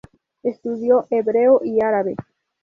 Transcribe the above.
Estudió hebreo y árabe.